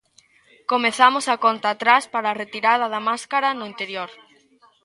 Comezamos a conta atrás para a retirada da máscara no interior.